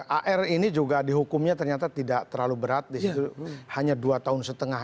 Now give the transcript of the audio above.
ar ini juga dihukumnya ternyata tidak terlalu berat disitu hanya dua tahun setengah